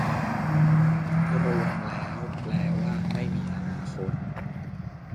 รวมแล้วแปลว่า ไม่มีอนาคต